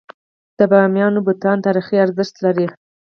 د بامیانو بتان تاریخي ارزښت لري.